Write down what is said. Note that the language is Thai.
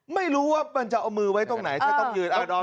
ไม่รู้ว่ามันจะเอามือไว้ตรงไหนฉันต้องยืน